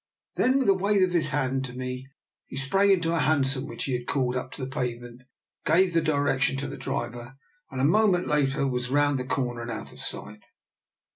Then, with a^ wave of his hand to me, he sprang into a hansom which he had called up to the pavement, gave the direction to the driver, and a moment later was round the corner and out of sight.